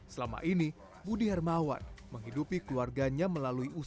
selama ini budi hermawan menghidupi keluarganya melalui usaha